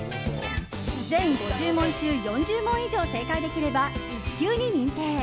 全５０問中４０問以上正解できれば１級に認定。